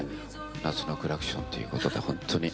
「夏のクラクション」ということでほんとに。